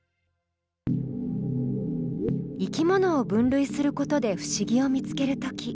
生き物を分類することで不思議を見つける時。